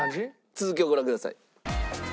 続きをご覧ください。